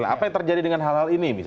apa yang terjadi dengan hal hal ini